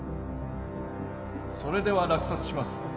それでは落札します